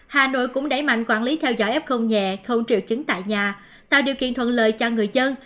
hà nội cũng đẩy mạnh quản lý theo dõi f nhẹ không triệu chứng tại nhà tạo điều kiện thuận lợi cho người dân